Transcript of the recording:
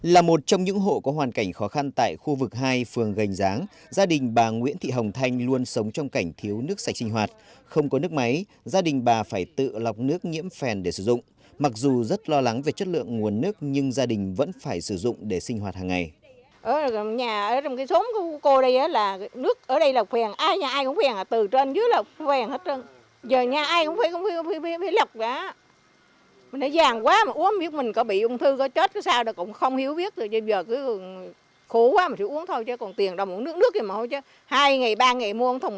là một trong những hộ có hoàn cảnh khó khăn tại khu vực hai phường gành ráng gia đình bà nguyễn thị hồng thanh luôn sống trong cảnh thiếu nước sạch sinh hoạt không có nước máy gia đình bà phải tự lọc nước nhiễm phèn để sử dụng mặc dù rất lo lắng về chất lượng nguồn nước nhưng gia đình vẫn phải sử dụng để sinh hoạt hàng ngày